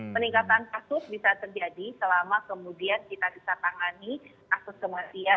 peningkatan kasus bisa terjadi selama kemudian kita bisa tangani kasus kematian